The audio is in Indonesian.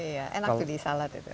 iya enak tuh di salad itu